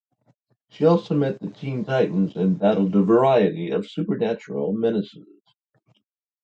She also met the Teen Titans and battled a variety of supernatural menaces.